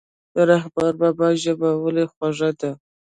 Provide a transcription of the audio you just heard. د رحمان بابا ژبه ولې خوږه ده.